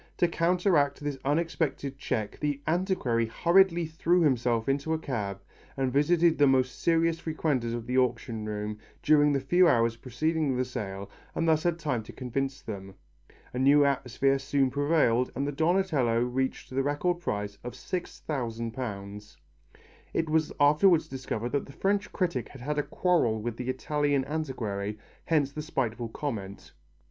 To counteract this unexpected check the antiquary hurriedly threw himself into a cab and visited the most serious frequenters of the auction room during the few hours preceding the sale and thus had time to convince them. A new atmosphere soon prevailed and the Donatello reached the record price of £6000. It was afterwards discovered that the French critic had had a quarrel with the Italian antiquary, hence the spiteful comment.